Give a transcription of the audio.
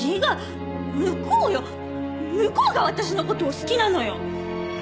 向こうが私の事を好きなのよ！